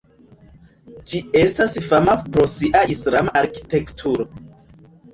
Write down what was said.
Ĝi estas fama pro sia islama arkitekturo.